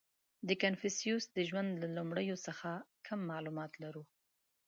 • د کنفوسیوس د ژوند له لومړیو څخه کم معلومات لرو.